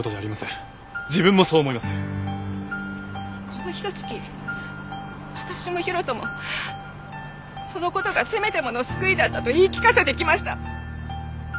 このひと月私も大翔もその事がせめてもの救いだったと言い聞かせてきました。